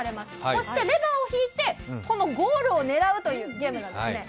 そして、レバーを引いてゴールを狙うというゲームなんですね。